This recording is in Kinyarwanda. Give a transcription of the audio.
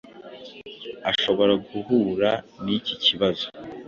ashobora guhura n’iki kibazo,